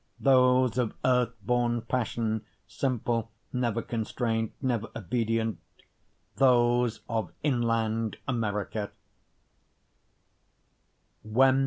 Those of earth born passion, simple, never constrain'd, never obedient, Those of inland America.